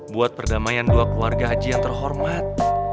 buat perdamaian dua keluarga haji yang terhormat